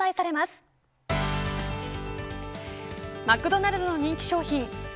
今年マクドナルドの人気商品。